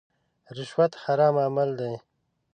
رشوت حرام عمل دی.